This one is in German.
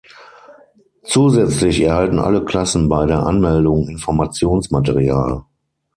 Zusätzlich erhalten alle Klassen bei der Anmeldung Informationsmaterial.